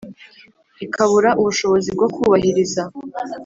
ikabura ubushobozi bwo kubahiriza